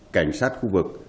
cảnh sát khu vực